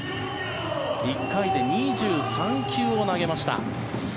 １回で２３球を投げました。